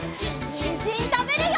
にんじんたべるよ！